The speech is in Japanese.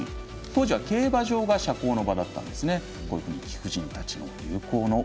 当時は競馬場が社交場だったんですね。